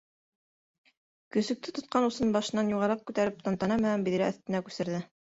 Көсөктө тотҡан усын башынан юғарыраҡ күтәреп тантана менән биҙрә өҫтөнә күсерҙе.